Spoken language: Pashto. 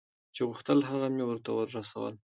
چې غوښتل هغه مې ورته رسول.